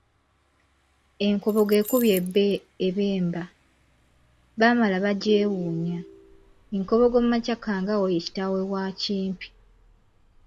Enkobogo ekubye Ebemba, Bamala bagyewuunya. Nkobogo Makya Kangaawo ye kitaawe wa Kimpi.